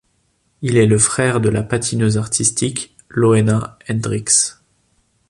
Il est le frère de la patineuse artistique Loena Hendrickx.